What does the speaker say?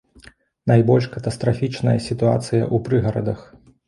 Найбольш катастрафічная сітуацыя ў прыгарадах.